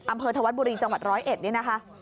อำเภอธวัฒน์บุรีจังหวัด๑๐๑นี่นะคะ